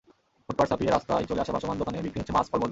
ফুটপাত ছাপিয়ে রাস্তায় চলে আসা ভাসমান দোকানে বিক্রি হচ্ছে মাছ, ফলমূল।